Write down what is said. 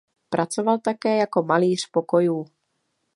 Pracoval také jako malíř pokojů.